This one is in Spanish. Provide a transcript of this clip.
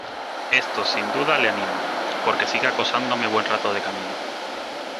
esto, sin duda , le anima , porque sigue acosándome buen rato de camino.